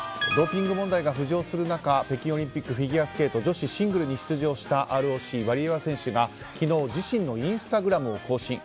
ドーピング問題が浮上する中北京オリンピック、フィギュア女子シングルに出場したＲＯＣ、ワリエワ選手が昨日自身のインスタグラムを更新。